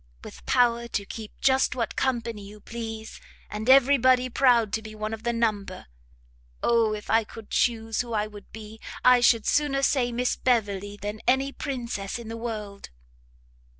with power to keep just what company you please, and every body proud to be one of the number! Oh if I could chuse who I would be, I should sooner say Miss Beverley than any princess in the world!"